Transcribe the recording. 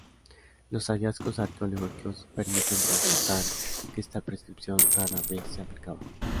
Los hallazgos arqueológicos permiten constatar que esta prescripción rara vez se aplicaba.